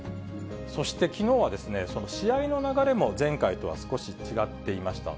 そして、きのうはその試合の流れも、前回とは少し違っていました。